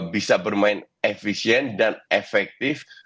bisa bermain efisien dan efektif